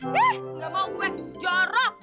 nggak mau gue jorok